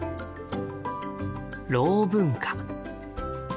「ろう文化」。